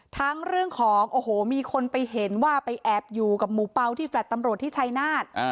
เรื่องของโอ้โหมีคนไปเห็นว่าไปแอบอยู่กับหมูเปล่าที่แลต์ตำรวจที่ชัยนาธ